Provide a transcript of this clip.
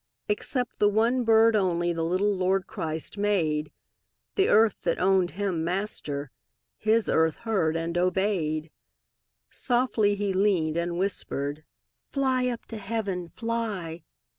Except the one bird only The little Lord Christ made; The earth that owned Him Master, His earth heard and obeyed. Softly He leaned and whispered: "Fly up to Heaven! Fly!"